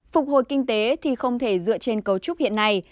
phục hồi kinh tế thì không thể dựa trên cấu trúc hiện nay